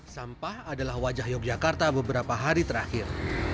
sampah adalah wajah yogyakarta beberapa hari terakhir